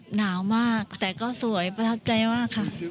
หนาวมากแต่ก็สวยประทับใจมากค่ะ